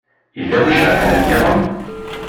Yella wi ijerḥen-nniḍen?